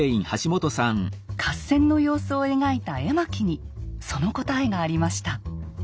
合戦の様子を描いた絵巻にその答えがありました。